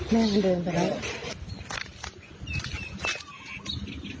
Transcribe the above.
แม่มันเดินไปแล้ว